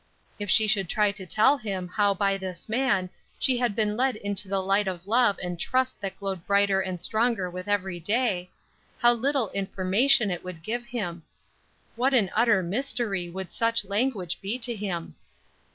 If she should try to tell him how by this man, she had been led into the light of love and trust that glowed brighter and stronger with every day, how little information it would give him! What an utter mystery would such language be to him!